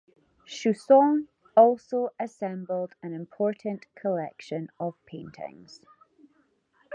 Chausson also assembled an important collection of paintings.